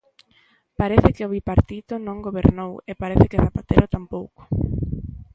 ¡Parece que o Bipartito non gobernou e parece que Zapatero tampouco!